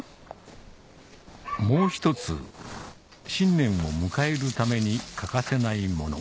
もう１つ新年を迎えるために欠かせないもの